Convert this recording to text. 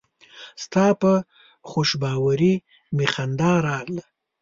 ستا په خوشباوري مې خندا راغله.